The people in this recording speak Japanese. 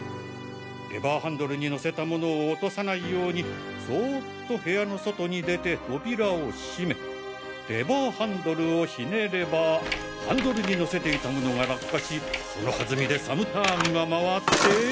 レバーハンドルにのせた物を落とさないようにそっと部屋の外に出て扉を閉めレバーハンドルをひねればハンドルにのせていた物が落下しその弾みでサムターンが回って。